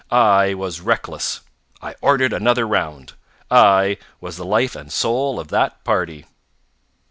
I was reckless. I ordered another round. I was the life and soul of that party.